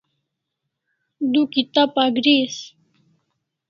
Du kibat agris